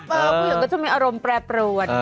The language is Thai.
ผู้หญิงก็จะมีอารมณ์แปรปรวน